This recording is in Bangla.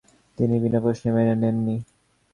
তিনি বিনা প্রশ্নে মেনে নেননি।